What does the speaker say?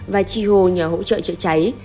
và chi hô nhờ hỗ trợ chữa cháy